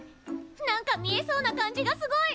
何か見えそうな感じがすごい！